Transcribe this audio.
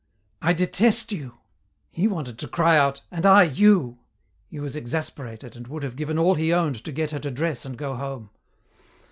"I detest you!" He wanted to cry out, "And I you!" He was exasperated, and would have given all he owned to get her to dress and go home.